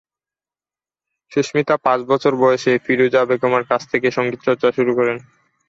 সুস্মিতা পাঁচ বছর বয়সে ফিরোজা বেগমের কাছ থেকে সঙ্গীত চর্চা শুরু করেন।